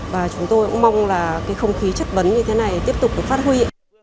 và chúng tôi cũng mong là cái không khí chất vấn như thế này tiếp tục được phát huy